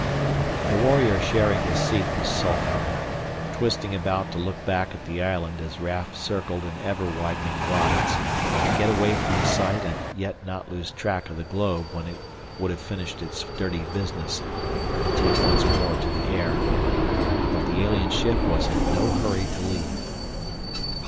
The warrior sharing his seat was sulking now, twisting about to look back at the island as Raf circled in ever widening glides to get away from the site and yet not lose track of the globe when it would have finished its dirty business and take once more to the air. But the alien ship was in no hurry to leave.